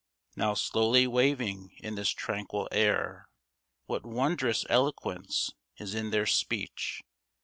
Now slowly waving in this tranquil air, What wondrous eloquence is in their speech